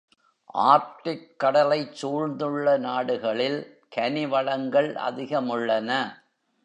ஆர்க்டிக்கடலைச் சூழ்ந்துள்ள நாடுகளில் கனி வளங்கள் அதிகமுள்ளன.